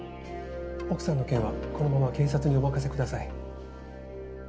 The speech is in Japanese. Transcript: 奥さんの件はこのまま警察にお任せください。